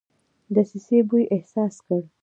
دسیسې بوی احساس کړ.